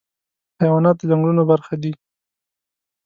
حیوانات د ځنګلونو برخه دي.